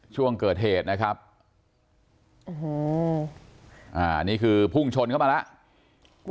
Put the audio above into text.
ช่วงเกิดเหตุนี่คือพุ่งชนเข้ามาแล้ว